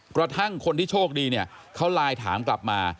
กระทั่งคนที่โชคดีเนี่ยเขาไลน์ถามกลับมา